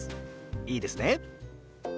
いいですね？